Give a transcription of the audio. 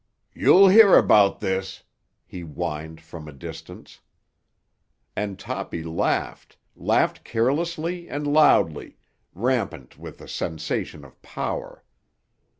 "You'll hear about this!" he whined from a distance. And Toppy laughed, laughed carelessly and loudly, rampant with the sensation of power.